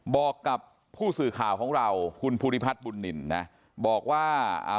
บอกกับผู้สื่อข่าวของเราคุณภูริพัฒน์บุญนินนะบอกว่าอ่า